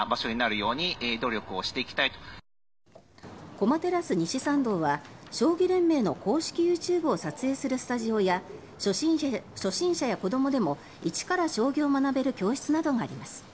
駒テラス西参道は将棋連盟の公式ＹｏｕＴｕｂｅを撮影するスタジオや初心者や子どもでも一から将棋を学べる教室などがあります。